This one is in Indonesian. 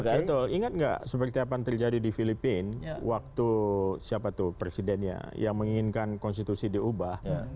betul ingat nggak seperti apa yang terjadi di filipina waktu siapa tuh presidennya yang menginginkan konstitusi diubah